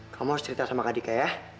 kamu harus cerita sama kak dika ya